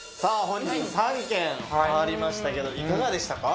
本日３軒回りましたけどいかがでしたか？